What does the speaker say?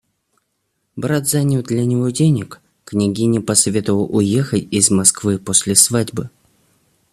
Брат занял для него денег, княгиня посоветовала уехать из Москвы после свадьбы.